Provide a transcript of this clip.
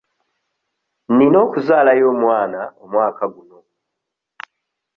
Nina okuzaalayo omwana omwaka guno.